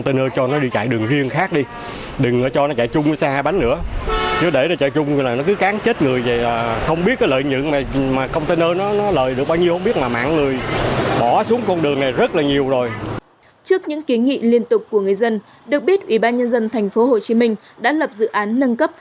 trước những kế nghị liên tục của người dân được biết ủy ban nhân dân tp hcm đã lập dự án nâng cấp